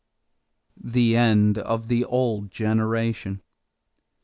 =The End of the Old Generation.